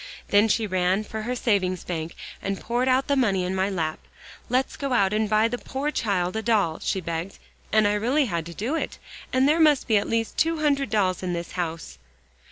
Then she ran for her savings bank, and poured out the money in my lap. 'Let's go out and buy the poor child a doll,' she begged, and I really had to do it. And there must be at least two hundred dolls in this house."